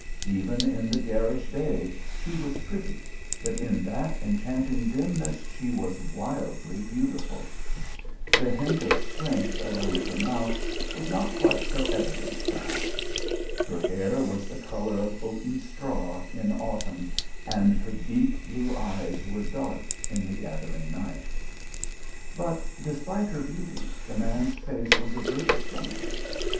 Even in the garish day she was pretty, but in that enchanting dimness she was wildly beautiful. The hint of strength around her mouth was not quite so evident perhaps. Her hair was the colour of oaten straw in autumn and her deep blue eyes were dark in the gathering night. But despite her beauty, the man's face was averted from her.